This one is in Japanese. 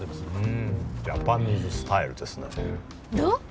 うーんジャパニーズスタイルですねどう？